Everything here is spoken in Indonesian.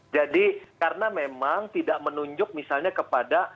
jadi karena memang tidak menunjuk misalnya kepada